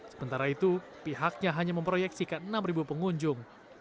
sementara itu pihaknya hanya memproyeksikan enam pengunjung